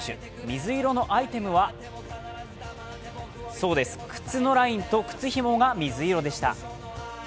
水色のアイテムはそうです、靴のラインと靴ひもが水色でした。